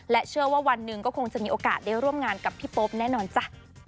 เชื่อว่าวันหนึ่งก็คงจะมีโอกาสได้ร่วมงานกับพี่โป๊ปแน่นอนจ้ะ